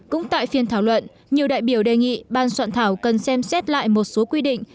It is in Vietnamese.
cũng tại phiên thảo luận nhiều đại biểu đề nghị ban soạn thảo cần xem xét lại một số quy định